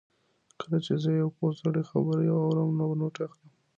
کله چې زه د یو پوه سړي خبرې اورم نو نوټ یې اخلم.